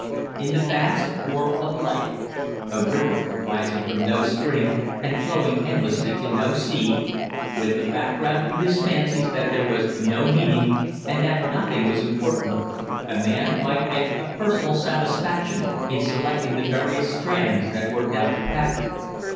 In the vast warp of life (a river arising from no spring and flowing endlessly to no sea), with the background to his fancies that there was no meaning and that nothing was important, a man might get a personal satisfaction in selecting the various strands that worked out the pattern.